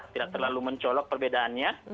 tidak terlalu mencolok perbedaannya